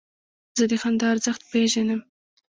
زه د خندا ارزښت پېژنم.